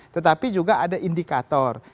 tetapi juga ada indikator